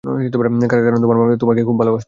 কারন তোমার মা আমার মাকে খুব ভালোবাসতো।